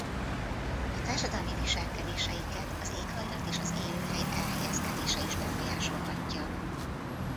A társadalmi viselkedéseiket az éghajlat és az élőhely elhelyezkedése is befolyásolhatja.